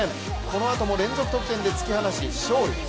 このあとも連続得点で突き放し、勝利。